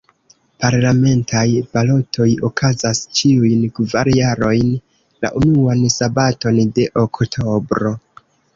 Parlamentaj balotoj okazas ĉiujn kvar jarojn, la unuan sabaton de oktobro.